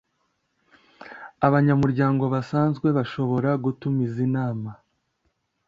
abanyamuryango basanzwe bashobora gutumiza inama